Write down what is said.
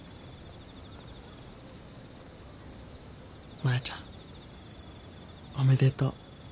マヤちゃんおめでとう。